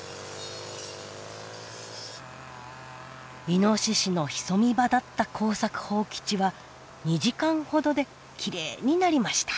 イノシシの潜み場だった耕作放棄地は２時間ほどできれいになりました。